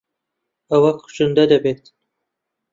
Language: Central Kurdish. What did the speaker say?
ئەوە کوشندە دەبێت.